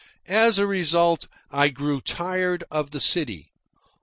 As a result, I grew tired of the city.